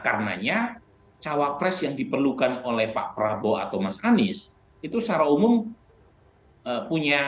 karenanya cawapres yang diperlukan oleh pak prabowo atau mas anies itu secara umum punya